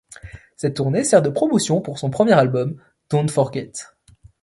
Cette tournée sert de promotion pour son premier album Don't Forget.